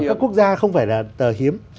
các quốc gia không phải là tờ hiếm